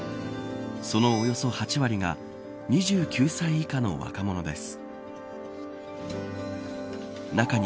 そのおよそ８割が２９歳以下の若者です。